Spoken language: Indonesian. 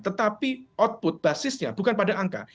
tetapi output basisnya bukan pada angka